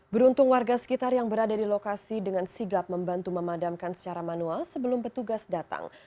beruntung warga sekitar yang berada di lokasi dengan sigap membantu memadamkan secara manual sebelum petugas datang